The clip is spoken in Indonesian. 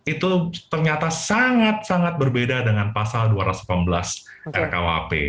itu ternyata sangat sangat berbeda dengan pasal dua ratus delapan belas rkuhp